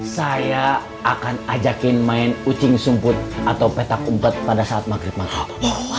saya akan ajakin main kucing sumput atau petak umpet pada saat maghrib maghrib